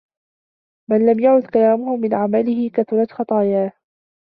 مَنْ لَمْ يَعُدَّ كَلَامَهُ مِنْ عَمَلِهِ كَثُرَتْ خَطَايَاهُ